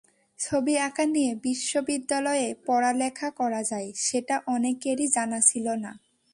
ছবি আঁকা নিয়ে বিশ্ববিদ্যালয়ে পড়ালেখা করা যায়, সেটা অনেকেরই জানা ছিল না।